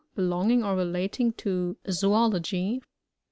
— Belonging or relating to Zoology.